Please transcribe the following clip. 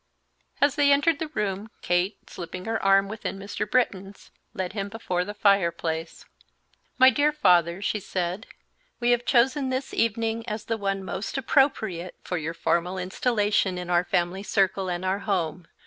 As they entered the room, Kate, slipping her arm within Mr. Britton's, led him before the fireplace. "My dear father," she said, "we have chosen this evening as the one most appropriate for your formal installation in our family circle and our home.